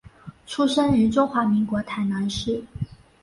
出生于中华民国台南市。